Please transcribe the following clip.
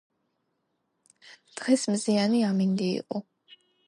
დღეს მზიანი ამინდი იყო